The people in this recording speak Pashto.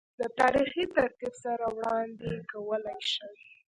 دَ تاريخي ترتيب سره وړاند ې کولے شي